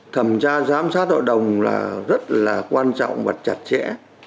thẩm tra giám sát hội đồng là rất là quan trọng và chặt chẽ